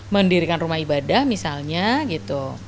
mendirikan rumah ibadah misalnya gitu